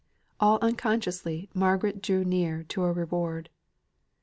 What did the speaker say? All unconsciously Margaret drew near to a reward.